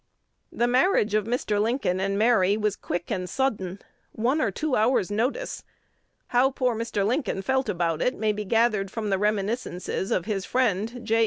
The marriage of Mr. Lincoln and Mary was quick and sudden, one or two hours' notice." How poor Mr. Lincoln felt about it, may be gathered from the reminiscences of his friend, J.